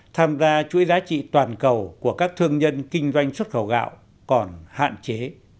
tham gia chuỗi giá trị toàn cầu của các thương nhân kinh doanh xuất khẩu gạo còn hạn chế